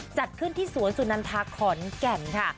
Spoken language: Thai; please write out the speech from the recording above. จัดขึ้นที่สวนสุนันทาขอนแก่นค่ะ